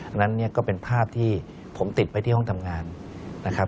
ดังนั้นเนี่ยก็เป็นภาพที่ผมติดไว้ที่ห้องทำงานนะครับ